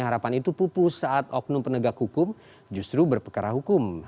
harapan itu pupus saat oknum penegak hukum justru berpekara hukum